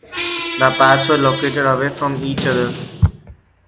The pads were located away from each other.